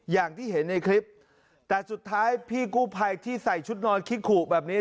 อย่างที่เห็นในคลิปแต่สุดท้ายพี่กู้ภัยที่ใส่ชุดนอนคิขุแบบนี้